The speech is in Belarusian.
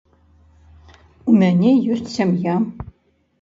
У мяне ёсць сям'я.